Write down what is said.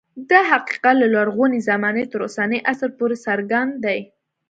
دا حقیقت له لرغونې زمانې تر اوسني عصر پورې څرګند دی